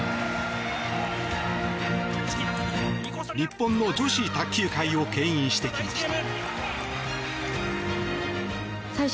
日本の女子卓球界を牽引してきました。